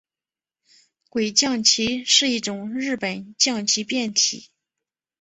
鬼将棋是一种日本将棋变体。